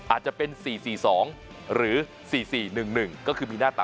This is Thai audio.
อาจจะเป็น๔๔๒หรือ๔๔๑๑ก็คือมีหน้าตา